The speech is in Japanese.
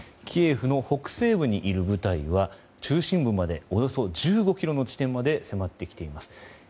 キエフの北西部に入る部隊は中心部までおよそ１５ｋｍの地点まで迫ってきています。